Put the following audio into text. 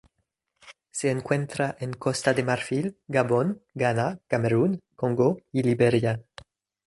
Se encuentra en Costa de Marfil, Gabón, Ghana, Camerún, Congo y Liberia.